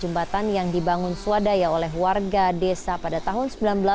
jembatan yang dibangun swadaya oleh warga desa pada tahun seribu sembilan ratus delapan puluh